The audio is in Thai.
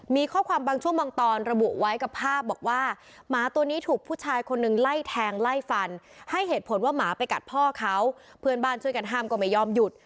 มีข้อความบางช่วงบางตอนระบุไว้กับภาพบอกว่าหมาตัวนี้ถูกผู้ชายคนหนึ่งไล่แทงไล่ฟันให้เหตุผลว่าหมาไปกัดพ่อเขาเพื่อนบ้านช่วยกันห้ามก็ไม่ยอมหยุด